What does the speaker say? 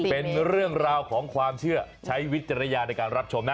เป็นเรื่องราวของความเชื่อใช้วิจารณญาณในการรับชมนะ